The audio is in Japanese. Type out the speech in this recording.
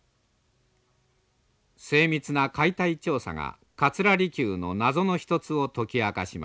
精密な解体調査が桂離宮の謎の一つを解き明かしました。